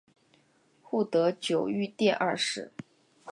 护得久御殿二世。